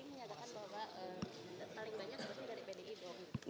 bagi bagi menteri menyatakan bahwa paling banyak seperti dari bdi dong